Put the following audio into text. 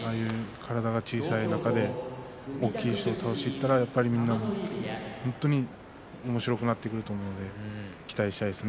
体が小さい中で大きい人を倒していったらみんなも本当におもしろくなってくると思うので期待したいですね。